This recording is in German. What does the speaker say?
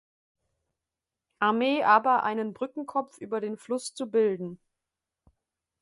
Armee aber einen Brückenkopf über den Fluss zu bilden.